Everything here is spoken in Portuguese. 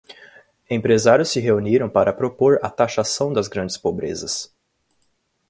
Empresários se reuniram para propor a taxação das grandes pobrezas